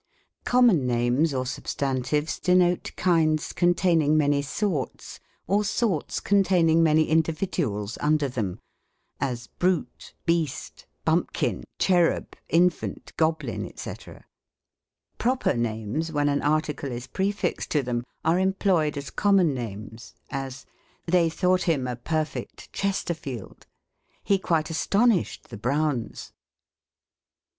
Common names, or substantive?, denote kinds con taining many sorts, or sorts containing many individuals under them • as brute, beast, bumpkin, cherub, infant, goblin, &;c. Proper names, when an article is prefixed to them, are employed as connnon names : as, " They thought him a perfect Chesterfield ; he quite astonished the Broivjis."